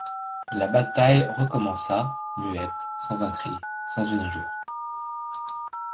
La bataille recommença, muette, sans un cri, sans une injure.